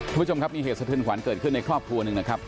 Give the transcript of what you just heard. คุณผู้ชมครับมีเหตุสะเทือนขวัญเกิดขึ้นในครอบครัวหนึ่งนะครับ